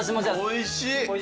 おいしい。